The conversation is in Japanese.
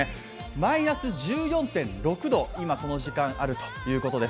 マイナス１４．６度、今、この時間あるということです。